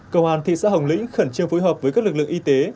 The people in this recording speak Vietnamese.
công an thị xã hồng lĩnh khẩn trương phối hợp với các lực lượng y tế